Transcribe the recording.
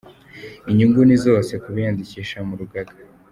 Inyungu ni zose kubiyandikishije mu rugaga.